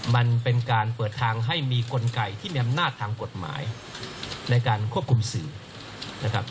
มันเป็นการเปิดทางให้มีกลไกที่มีอำนาจทางกฎหมายในการควบคุมสื่อนะครับ